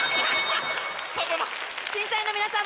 審査員の皆さん